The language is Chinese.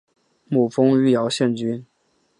母封余姚县君。